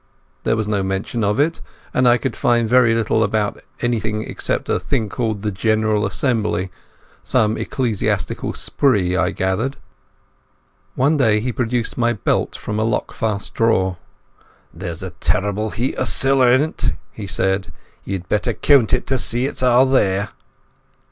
There was no mention of it, and I could find very little about anything except a thing called the General Assembly—some ecclesiastical spree, I gathered. One day he produced my belt from a lockfast drawer. "There's a terrible heap o' siller in't," he said. "Ye'd better coont it to see it's a' there."